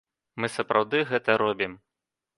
Мы сапраўды гэта робім.